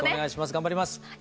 頑張ります。